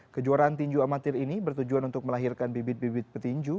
kejuaraan tinju amatir ini bertujuan untuk melahirkan bibit bibit petinju